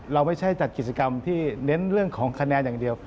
เราไม่ใช่จัดกิจกรรมที่เน้นเรื่องของคะแนนอย่างเดียว